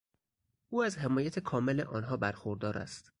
او از حمایت کامل آنها برخوردار است.